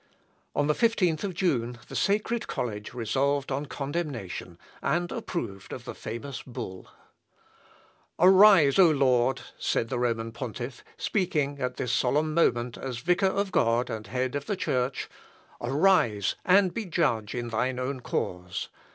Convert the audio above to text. On the 15th of June the sacred college resolved on condemnation, and approved of the famous bull. Sarpi Hist. of the Council of Trent, i, p. 12. "Arise, O Lord!" said the Roman pontiff, speaking at this solemn moment as vicar of God and head of the Church, "arise and be judge in thy own cause.